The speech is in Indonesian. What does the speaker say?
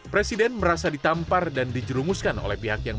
presiden merasa ditampar dan dijerumuskan oleh pihak yang